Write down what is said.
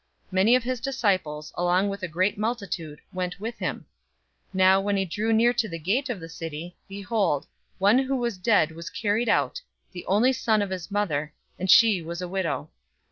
Many of his disciples, along with a great multitude, went with him. 007:012 Now when he drew near to the gate of the city, behold, one who was dead was carried out, the only son of his mother, and she was a widow.